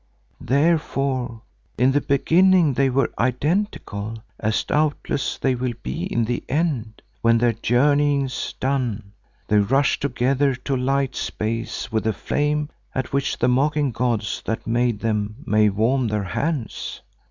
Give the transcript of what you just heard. Therefore in the beginning they were identical, as doubtless they will be in the end when, their journeyings done, they rush together to light space with a flame at which the mocking gods that made them may warm their hands.